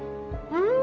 うん！